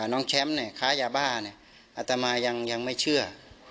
น้องแชมป์เนี่ยค้ายาบ้าเนี่ยอัตมายังไม่เชื่อ